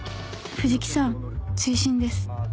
「藤木さん追伸です。